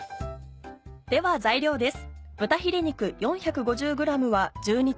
では材料です。